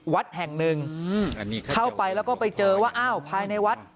วัดแห่งหนึ่งเข้าไปแล้วก็ไปเจอว่าอ้าวภายในวัด